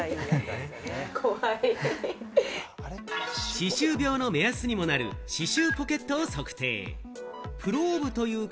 歯周病の目安にもなる歯周ポケットを測定。